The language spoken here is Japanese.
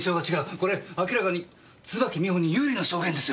これ明らかに椿美穂に有利な証言ですよ。